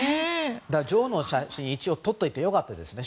女王の写真、一応撮っておいてよかったですね。